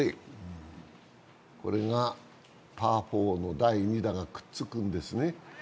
これがパー４の第２打がくっつくんですね。